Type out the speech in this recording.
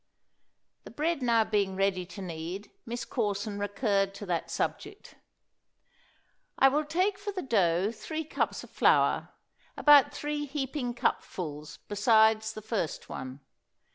(The bread now being ready to knead, Miss Corson recurred to that subject.) I will take for the dough three cups of flour, about three heaping cupfuls besides the first one.